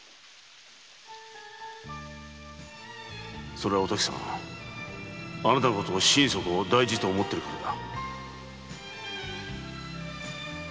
それはおたきさんのことを心底大事と思っているからだ